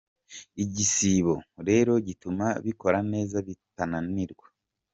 Igisibo rero gituma bikora neza bitananirwa.